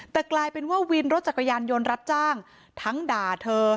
แต่กลายเป็นว่าวินรถจักรยานยนต์รับจ้างทั้งด่าเธอ